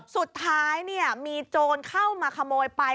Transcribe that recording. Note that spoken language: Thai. สุดท้ายมีโจรเข้ามาขโมยไป